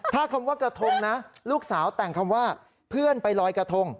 ถ้าคำว่ากระทงนะลูกสาวแต่งคำว่าเพื่อนไปลอยกระทง